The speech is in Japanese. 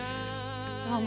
どうも。